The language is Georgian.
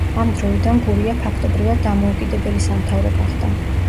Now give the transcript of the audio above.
ამ დროიდან გურია ფაქტობრივად დამოუკიდებელი სამთავრო გახდა.